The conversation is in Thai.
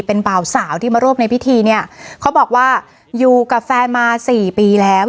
เป็นบ่าวสาวที่มาร่วมในพิธีเนี่ยเขาบอกว่าอยู่กับแฟนมาสี่ปีแล้ว